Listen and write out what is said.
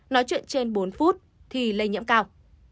nói chuyện trên bốn phút thì lây nhiễm cao